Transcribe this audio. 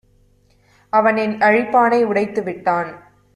அவன் என் அழிப்பானை உடைத்து விட்டான்.